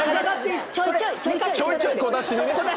ちょいちょい小出しにね。